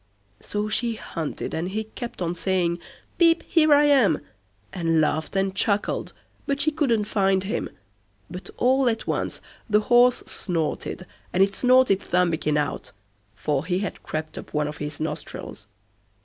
So she hunted, and he kept on saying, "Pip, here I am", and laughed and chuckled, but she couldn't find him; but all at once the horse snorted, and it snorted Thumbikin out, for he had crept up one of his nostrils.